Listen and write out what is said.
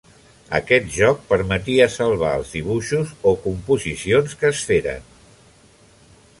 Aquest joc permetia salvar els dibuixos o composicions que es feren.